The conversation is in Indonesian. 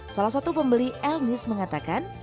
salah satu pembeli elmis mengatakan